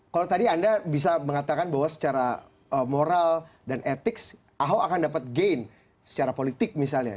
kalau tadi anda bisa mengatakan bahwa secara moral dan etik ahok akan dapat gain secara politik misalnya